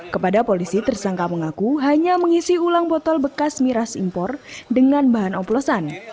kepada polisi tersangka mengaku hanya mengisi ulang botol bekas miras impor dengan bahan oplosan